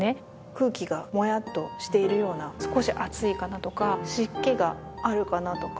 空気がもやっとしているような少し暑いかなとか湿気があるかなとか。